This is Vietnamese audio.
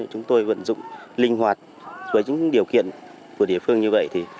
chúng tôi vận dụng linh hoạt với những điều kiện của địa phương như vậy